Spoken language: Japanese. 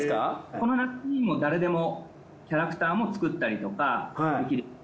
この夏にも誰でもキャラクターも作ったりとかできる。